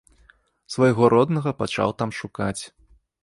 Свайго роднага пачаў там шукаць.